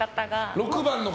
６番の方。